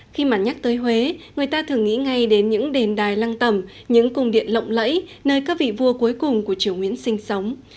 khi mà nhắc tới huế người ta thường nghĩ ngay đến những đền đài lăng tầm những cung điện lộng lẫy nơi các vị vua cuối cùng của triều nguyễn sinh sống